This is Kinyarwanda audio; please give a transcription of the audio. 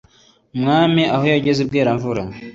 umwami aho yageze i bweramvura,